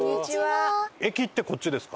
裾野駅ってこっちですか？